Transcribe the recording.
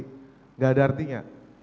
apa yang saya perjuangkan dengan organisasi saya